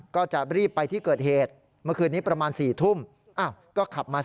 ก็จะรีบไปที่เกิดเหตุเมื่อคืนนี้ประมาณ๔ทุ่ม